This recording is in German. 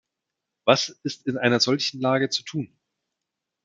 Was ist in einer solchen Lage zu tun?